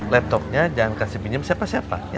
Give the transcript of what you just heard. laptopnya jangan kasih pinjam siapa siapa